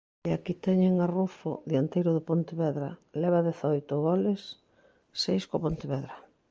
E aquí teñen a Rufo, dianteiro do Pontevedra, leva dezaoito goles, seis co Pontevedra.